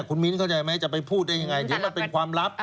คุณมิ้นเข้าใจไหมจะไปพูดได้ยังไงเดี๋ยวมันเป็นความลับ